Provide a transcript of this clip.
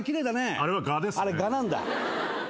あれガなんだ。